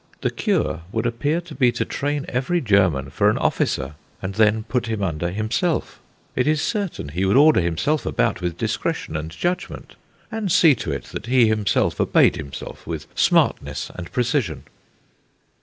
The cure would appear to be to train every German for an officer, and then put him under himself. It is certain he would order himself about with discretion and judgment, and see to it that he himself obeyed himself with smartness and precision.